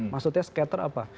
maksudnya scatter apa